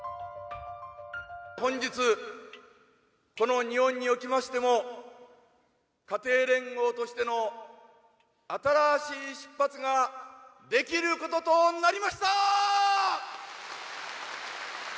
本日、この日本におきましても家庭連合としての新しい出発ができることとなりました。